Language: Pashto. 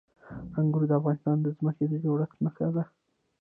انګور د افغانستان د ځمکې د جوړښت نښه ده.